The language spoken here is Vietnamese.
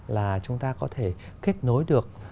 là chúng ta có thể kết nối được